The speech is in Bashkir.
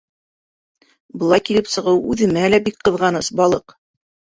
Былай килеп сығыуы үҙемә лә бик ҡыҙғаныс, балыҡ.